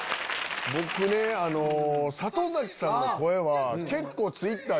僕ね里崎さんの声は結構。